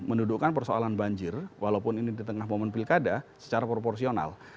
mendudukkan persoalan banjir walaupun ini di tengah momen pilkada secara proporsional